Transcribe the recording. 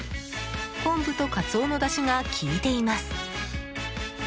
昆布とカツオのだしが効いています。